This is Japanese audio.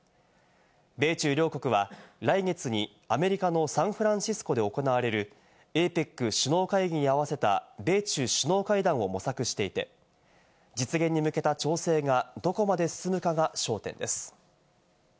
米中両国は来月にアメリカのサンフランシスコで行われるＡＰＥＣ首脳会議に合わせた米中首脳会談を模索していて、実現に向けた調整がどこまで進むかが焦点です。